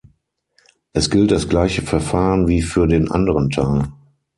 Es gilt das gleiche Verfahren wie für den anderen Teil.